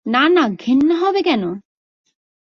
না না, ঘেন্না হবে কেন?